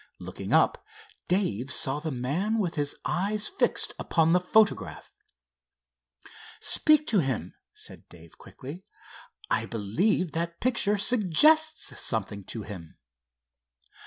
Looking up, Dave saw the man with his eyes fixed upon the photograph. "Speak to him," said Dave, quickly. "I believe that picture suggests something to him."